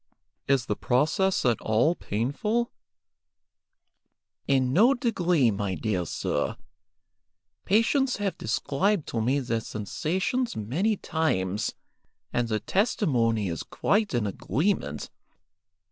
"Is the process at all painful ?" "In no degree, my dear sir. Patients have described to me their sensations many times, and their testimony is quite in agreement.